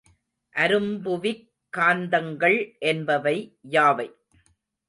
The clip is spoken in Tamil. அரும்புவிக் காந்தங்கள் என்பவை யாவை?